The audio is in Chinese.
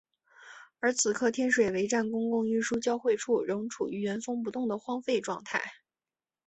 而此刻天水围站公共运输交汇处仍处于原封不动的荒废状态。